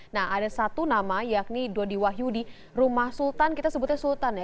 nah ada satu nama yakni dodi wahyu di rumah sultan kita sebutnya sultan ya